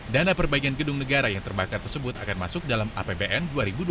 dana perbaikan gedung negara yang terbakar tersebut akan masuk dalam apbn dua ribu dua puluh